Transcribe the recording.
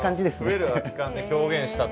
「増える空き缶」で表現したと。